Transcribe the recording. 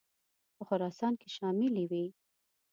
په خراسان کې شاملي وې.